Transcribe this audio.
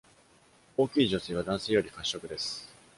大きい女性は男性より褐色です。